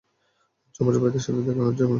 যমজ ভাইদের সাথে দেখা হয়েছে মনে হচ্ছে।